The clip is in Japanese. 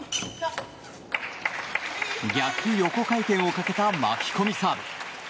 逆横回転をかけた巻き込みサーブ。